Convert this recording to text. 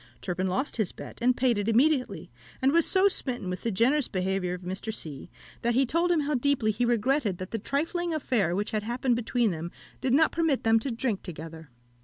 Turpin lost his bet and paid it immediately, and was so smitten with the generous behaviour of Mr. C., that he told him how deeply he regretted that the trifling affair which had happened between them did not permit them to drink together.